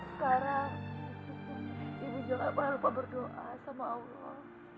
sekarang ibu juga berapa berdoa sama allah